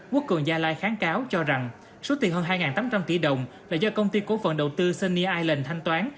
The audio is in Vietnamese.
quốc cường gia lai kháng cáo cho rằng số tiền hơn hai tám trăm linh tỷ đồng là do công ty cố phận đầu tư sunny island thanh toán